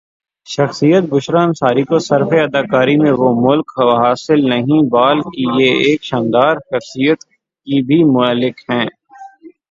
شخصیت بشریٰ انصاری کو سرف اداکاری میں وہ ملک حاصل نہیں بال کی یہ ایک شاندرشخصیات کی بھی ملک ہیں